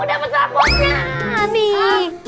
aku dapet rapotnya nih